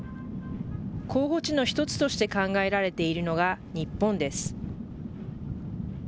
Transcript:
候補地の一つとして考えられているのが日本です。